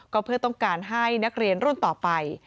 ก็เพื่อต้องการให้นักเรียนรุ่นต่อไป